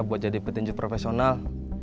buat jadi petinju profesional